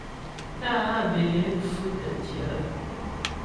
Tá'ǎ bə́ é lé pfʉ tə́ tyɛ̌'.